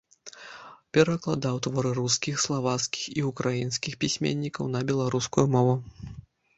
Перакладаў творы рускіх, славацкіх, і ўкраінскіх пісьменнікаў на беларускую мову.